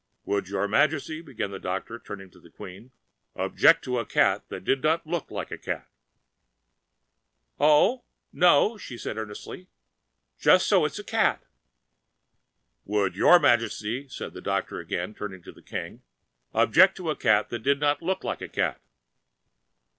"Would your majesty," began the doctor, turning to[Pg 224] the Queen, "object to a cat that did not look like a cat?" "Oh, no," cried she, earnestly, "just so it's a cat!" "Would your majesty," said the doctor again, turning to the King, "object to a cat that did not look like a cat?"